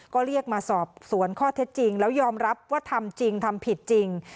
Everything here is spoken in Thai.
ก็เรียกมาสอบสวนข้อเท็จจริงแล้วยอมรับว่าทำจริงทำผิดจริง